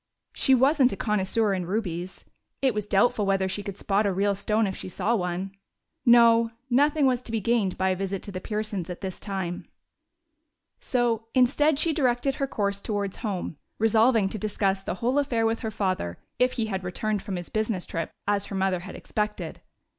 She wasn't a connoisseur in rubies; it was doubtful whether she could spot a real stone if she saw one. No, nothing was to be gained by a visit to the Pearsons' at this time. So instead she directed her course towards home, resolving to discuss the whole affair with her father, if he had returned from his business trip, as her mother had expected.